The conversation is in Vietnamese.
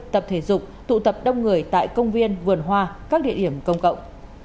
tập thể dục tụ tập đông người tại công viên vườn hoa các địa điểm công cộng